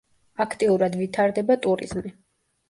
აქტიურად ვითარდება ტურიზმი.